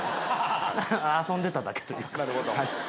遊んでただけというか。